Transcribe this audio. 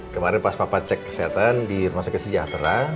kemarin pas papa cek kesehatan di rumah sakit sejahtera